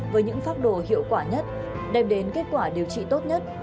với những pháp đồ hiệu quả nhất đem đến kết quả điều trị tốt nhất